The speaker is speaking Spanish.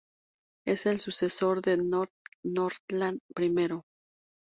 Es el sucesor de "Nordland I".